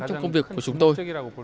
trong công việc của chúng tôi